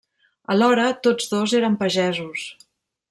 Alhora, tots dos eren pagesos.